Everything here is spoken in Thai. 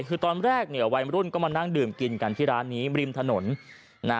คือตอนแรกเนี่ยวัยมรุ่นก็มานั่งดื่มกินกันที่ร้านนี้ริมถนนนะ